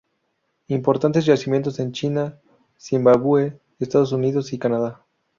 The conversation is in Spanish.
Importantes yacimientos en China, Zimbabue, Estados Unidos y Canadá.